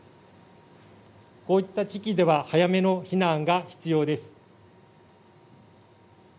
こういった地域では早めの避難が必要です。